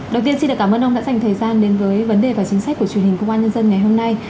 đầu tiên xin cảm ơn ông đã dành thời gian đến với vấn đề và chính sách của truyền hình công an nhân dân ngày hôm nay